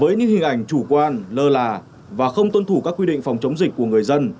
nếu chúng ta đã hết dịch và với những hình ảnh chủ quan lơ là và không tuân thủ các quy định phòng chống dịch của người dân